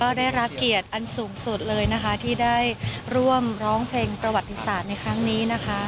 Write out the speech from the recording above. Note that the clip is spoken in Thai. ก็ได้รับเกียรติอันสูงสุดเลยนะคะที่ได้ร่วมร้องเพลงประวัติศาสตร์ในครั้งนี้นะคะ